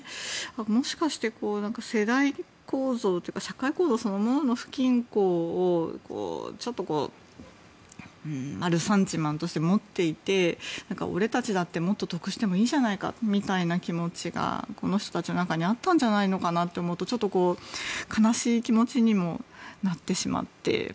もしかして、世代構造というか社会構造そのものの不均衡をちょっとルサンチマンとして持っていて俺たちだってもっと得してもいいじゃないかみたいな気持ちがこの人たちの中にあったんじゃないのかなと思うとちょっと悲しい気持ちにもなってしまって。